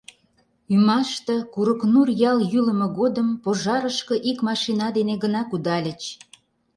Ӱмаште Курыкнур ял йӱлымӧ годым пожарышке ик машина дене гына кудальыч.